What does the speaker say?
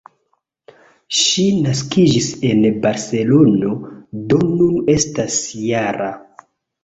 Ŝi naskiĝis en Barcelono, do nun estas -jara.